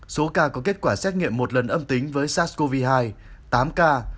số ca có kết quả xét nghiệm một lần âm tính với sars cov hai tám ca